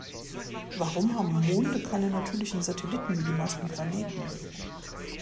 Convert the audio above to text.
Warum haben Monde keine natürlichen Satelliten wie die meisten Planeten?